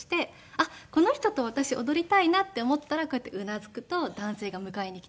あっこの人と私踊りたいなって思ったらこうやってうなずくと男性が迎えにきてくれる。